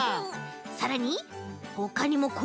さらにほかにもこちら。